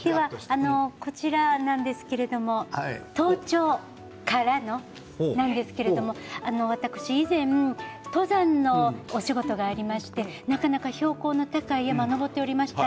こちらなんですけれども登頂からのなんですけど私、以前、登山のお仕事がありまして、なかなか標高の高い山を登っておりました。